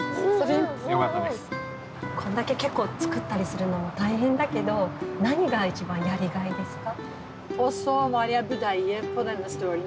こんだけ結構作ったりするのも大変だけど何が一番やりがいですか？